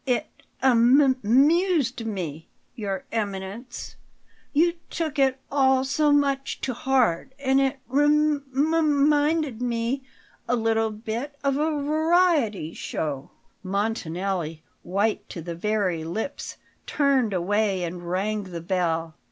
"It am m mused me, Your Eminence; you took it all so much to heart, and it rem m minded me a little bit of a variety show " Montanelli, white to the very lips, turned away and rang the bell.